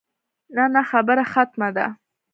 نه نه خبره ختمه ده.